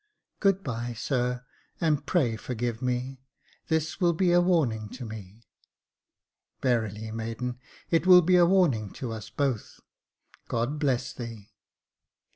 " Good bye, sir, and pray forgive me ; this will be a warning to me." " Verily, maiden, it will be a warning to us both, God bless thee !